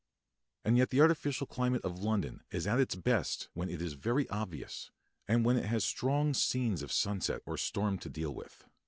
And yet the artificial climate of London is at its best when it is very obvious, and when it has strong scenes of sunset or storm to deal with.